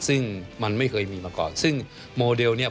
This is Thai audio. ซึ่งมันไม่เคยมีมาก่อนซึ่งโมเดลเนี่ย